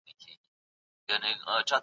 د کتاب سرپاڼه د ماشین په واسطه سمه سوه.